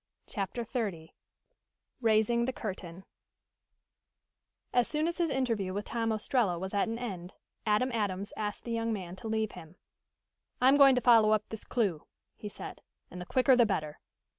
CHAPTER XXX RAISING THE CURTAIN As soon as his interview with Tom Ostrello was at an end, Adam Adams asked the young man to leave him. "I am going to follow up this clew," he said. "And the quicker the better."